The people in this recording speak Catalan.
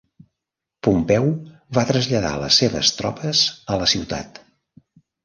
Pompeu va traslladar les seves tropes a la ciutat.